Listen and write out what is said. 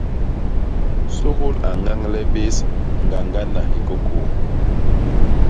Sôgôl a ñañle bés hiñgañgana hi kôkôô.